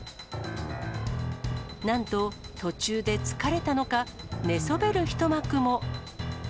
なんと、途中で疲れたのか、寝そべる一幕も。